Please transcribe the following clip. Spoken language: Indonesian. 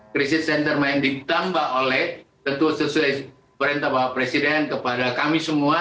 crisis center main ditambah oleh tentu sesuai perempuan presiden kepada kami semua